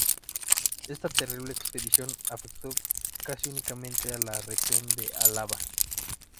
Esta terrible expedición afectó casi únicamente a la región de Álava.